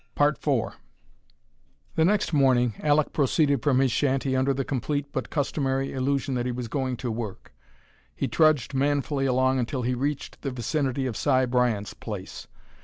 IV The next morning Alek proceeded from his shanty under the complete but customary illusion that he was going to work. He trudged manfully along until he reached the vicinity of Si Bryant's place.